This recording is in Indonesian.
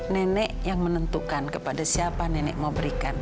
nenek yang menentukan kepada siapa nenek mau berikan